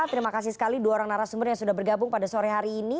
terima kasih sekali dua orang narasumber yang sudah bergabung pada sore hari ini